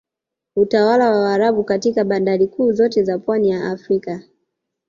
Utawala wa Waarabu katika bandari kuu zote za pwani ya Afrika